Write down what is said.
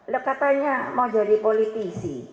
lo katanya mau jadi politisi